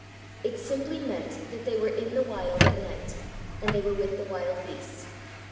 It simply meant that they were in the Wild at night, and they were with the wild beasts.